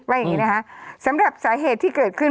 อย่างนี้นะคะสำหรับสาเหตุที่เกิดขึ้น